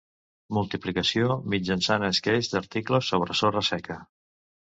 Multiplicació mitjançant esqueix d'article sobre sorra seca.